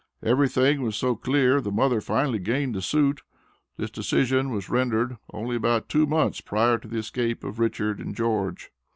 Everything was so clear the mother finally gained the suit. This decision was rendered only about two months prior to the escape of Richard and George.